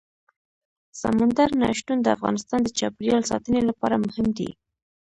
سمندر نه شتون د افغانستان د چاپیریال ساتنې لپاره مهم دي.